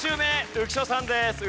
浮所さんです。